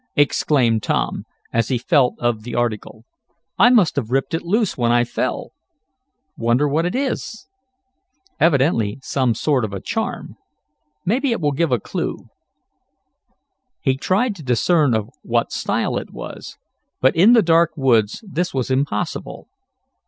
exclaimed Tom, as he felt of the article. "I must have ripped it loose when I fell. Wonder what it is? Evidently some sort of a charm. Maybe it will be a clue." He tried to discern of what style it was, but in the dark woods this was impossible.